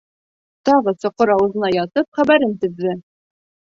Тағы соҡор ауыҙына ятып хәбәрен теҙҙе.